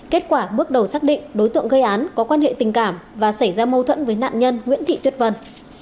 kết quả bước đầu xác định đối tượng gây án có quan hệ tình cảm và xảy ra mâu thuẫn với nạn nhân nguyễn thị tuyết vân